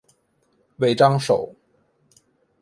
尾张守。